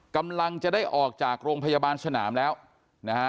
กำลังจะได้ออกจากโรงพยาบาลสนามแล้วนะฮะ